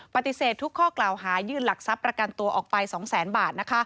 ปฏิเสธทุกข้อกล่าวหายื่นหลักทรัพย์ประกันตัวออกไป๒แสนบาท